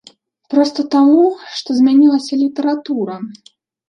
Проста таму, што змянілася літаратура.